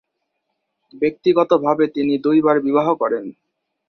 ব্যক্তিগতভাবে তিনি দুইবার বিবাহ করেন।